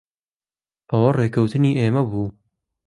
ئەوە ڕێککەوتنی ئێمە بوو.